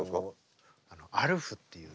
「アルフ」っていうね。